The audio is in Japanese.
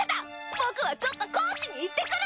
僕はちょっと高知に行ってくる！